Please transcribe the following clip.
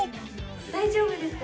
大丈夫ですか？